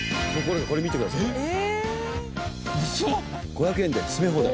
５００円で詰め放題。